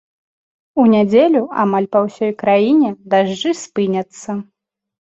У нядзелю амаль па ўсёй краіне дажджы спыняцца.